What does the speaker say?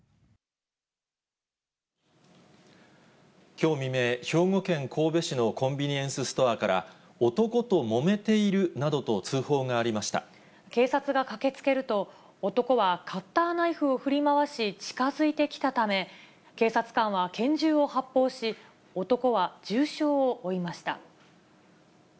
きょう未明、兵庫県神戸市のコンビニエンスストアから、男ともめているなどとッターナイフを振り回し、近づいてきたため、警察官は拳銃を発砲し、男は重傷を負いました。